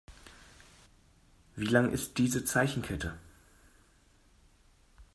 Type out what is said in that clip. Wie lang ist diese Zeichenkette?